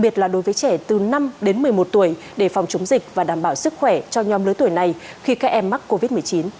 trẻ đến một mươi một tuổi để phòng chống dịch và đảm bảo sức khỏe cho nhóm lưới tuổi này khi các em mắc covid một mươi chín